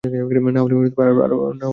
না হলে আরো কয়েকটা খাও।